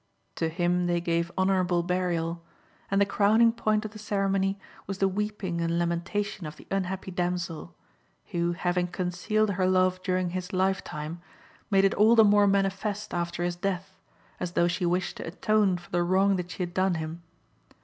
To him they gave honourable burial ; and the crown ing point of the ceremony was the weeping and lamentation of the unhappy damsel, who having concealed her love during his lifetime, made it all the more manifest after his death, as though she wished to atone for the wrong that she had done him.